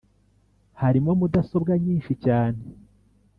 Harimo mudasobwa nyinshi cyane